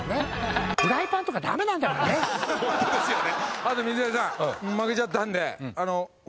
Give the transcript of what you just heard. あと水谷さん負けちゃったんで。